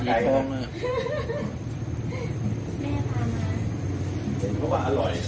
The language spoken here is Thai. เห็นก็ว่าอร่อย